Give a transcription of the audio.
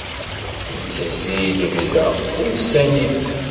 Ntezzi i lebda, ur sani.